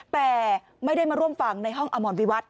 แต่ไม่ได้มาร่วมฟังในห้องอมรวิวัต